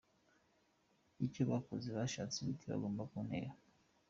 icyo bakoze bashatse imiti bagomba kuntera,.